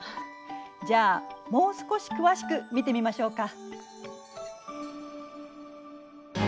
じゃあもう少し詳しく見てみましょうか。